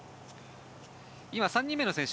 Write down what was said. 今、３人目の選手